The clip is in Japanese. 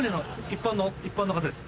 一般の一般の方です。